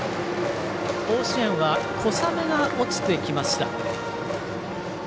甲子園は小雨が落ちてきました。